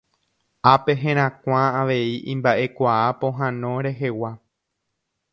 ápe herakuã avei imba'ekuaa pohãno rehegua